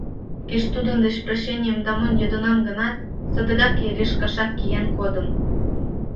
Кеч тудын деч прощенийым да монь йодынам гынат, садыгак яришкашак киен кодым.